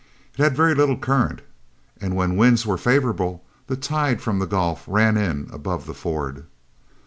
It had very little current, and when winds were favorable the tide from the Gulf ran in above the ford.